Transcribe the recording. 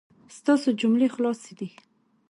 ستاسو جملې خلاصې دي